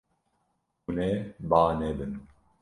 Hûn ê ba nedin.